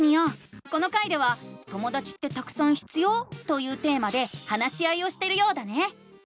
この回では「ともだちってたくさん必要？」というテーマで話し合いをしてるようだね！